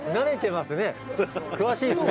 「詳しいですね」